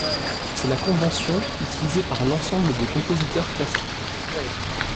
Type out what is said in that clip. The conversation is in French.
C'est la convention utilisée par l'ensemble des compositeurs classiques.